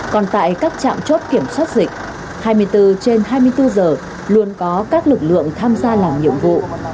còn tại các trạm chốt kiểm soát dịch hai mươi bốn trên hai mươi bốn giờ luôn có các lực lượng tham gia làm nhiệm vụ